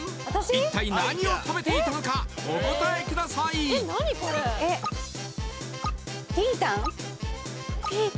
一体何を食べていたのかお答えくださいえっピータン？